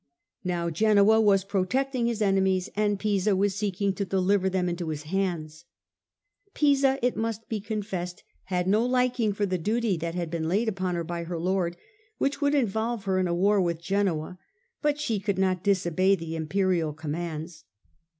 Now Genoa was protecting his enemies and Pisa was seeking to deliver them into his hands. Pisa, it must be confessed, had no liking for the duty that had been laid upon her by her Lord, which would involve her in a war with Genoa : but she could not disobey the Imperial commands.